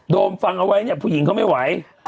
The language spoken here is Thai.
มฟังเอาไว้เนี่ยผู้หญิงเขาไม่ไหว